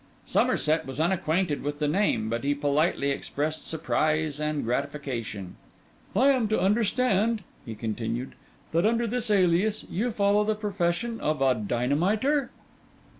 Somerset was unacquainted with the name, but he politely expressed surprise and gratification. 'I am to understand,' he continued, 'that, under this alias, you follow the profession of a dynamiter?